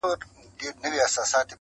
د طبیب عقل کوټه سو مسیحا څخه لار ورکه٫